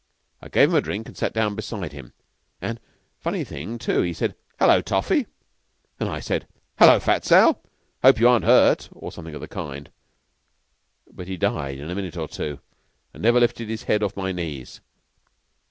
I gave him a drink and sat down beside him, and funny thing, too he said, 'Hullo, Toffee!' and I said, 'Hullo, Fat Sow! hope you aren't hurt,' or something of the kind. But he died in a minute or two never lifted his head off my knees...